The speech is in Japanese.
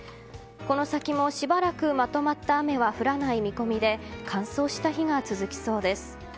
この先もしばらくまとまった雨は降らない見込みで乾燥した日が続きそうです。